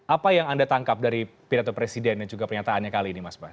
apa yang anda tangkap dari pidato presiden dan juga pernyataannya kali ini mas bas